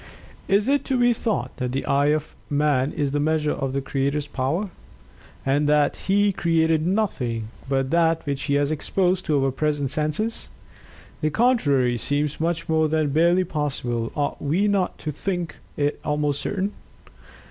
Is it to be thought that the eye of man is the measure of the Creator's power? and that He created nothing but that which he has exposed to our present senses? The contrary seems much more than barely possible; ought we not to think it almost certain?"